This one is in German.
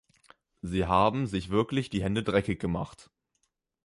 Sie haben sich wirklich die Hände dreckig gemacht.